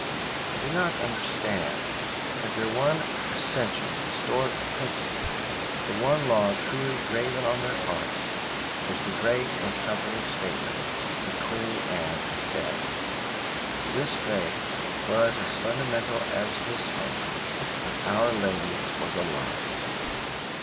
He did not understand that their one essential historical principle, the one law truly graven on their hearts, was the great and comforting statement that Queen Anne is dead. This faith was as fundamental as his faith, that Our Lady was alive.